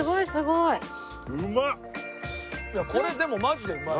いやこれでもマジでうまい。